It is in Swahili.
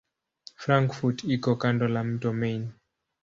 Frankfurt iko kando la mto Main.